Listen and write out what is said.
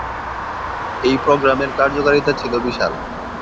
এই প্রোগ্রামের কার্যকারিতা ছিল বিশাল।